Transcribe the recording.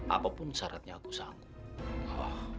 apapun syaratnya aku sanggup